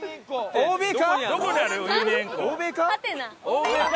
欧米か？